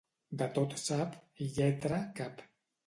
De tot sap, i lletra, cap.